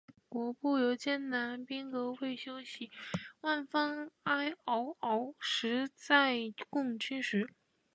国步犹艰难，兵革未休息。万方哀嗷嗷，十载供军食。